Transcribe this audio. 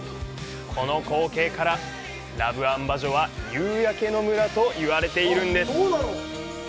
この光景から、ラブアンバジョは夕焼けの村と言われているんです。